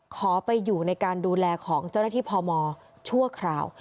ขอไปอยู่ในการดูแลของเจ้าหน้าที่พมชั่วคราว